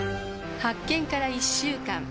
発見から１週間。